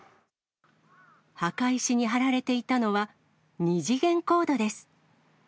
墓石に貼られていたのは、二次元コードです。